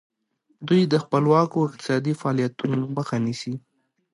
دوی د خپلواکو اقتصادي فعالیتونو مخه نیسي.